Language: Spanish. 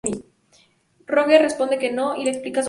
Rogue responde que no, y le explica su poder.